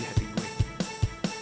baik gue jadiin lo beda dari hati gue